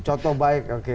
contoh baik oke